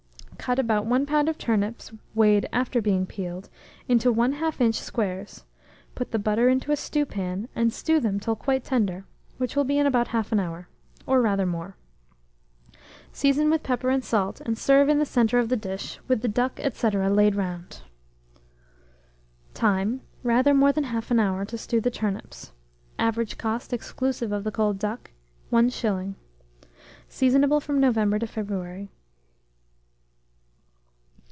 Cut about 1 lb. of turnips, weighed after being peeled, into 1/2 inch squares, put the butter into a stewpan, and stew them till quite tender, which will be in about 1/2 hour, or rather more; season with pepper and salt, and serve in the centre of the dish, with the duck, &c. laid round. Time. Rather more than 1/2 hour to stew the turnips. Average cost, exclusive of the cold duck, 1s. Seasonable from November to February.